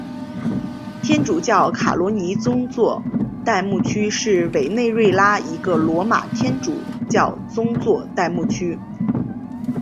天主教卡罗尼宗座代牧区是委内瑞拉一个罗马天主教宗座代牧区。